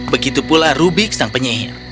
begitu pula rubik sang penyihir